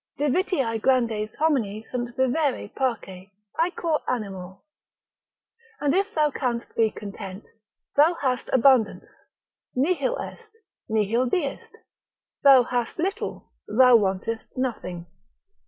Divitiae grandes homini sunt vivere parce, Aequo animo.——— And if thou canst be content, thou hast abundance, nihil est, nihil deest, thou hast little, thou wantest nothing.